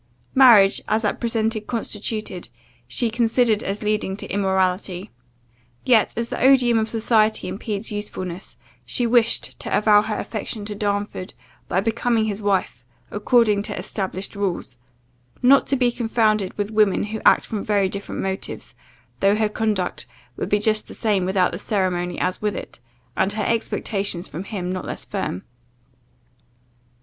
Marriage, as at present constituted, she considered as leading to immorality yet, as the odium of society impedes usefulness, she wished to avow her affection to Darnford, by becoming his wife according to established rules; not to be confounded with women who act from very different motives, though her conduct would be just the same without the ceremony as with it, and her expectations from him not less firm.